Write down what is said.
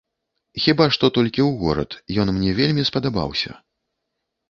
Хіба што толькі ў горад, ён мне вельмі спадабаўся.